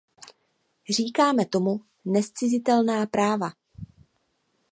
Říkáme tomu nezcizitelná práva.